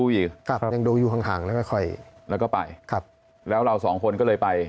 อีกครับยังดูอยู่ห่างห่างแล้วค่อยค่อยแล้วก็ไปครับแล้วเราสองคนก็เลยไป